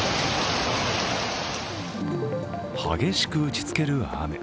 激しく打ちつける雨。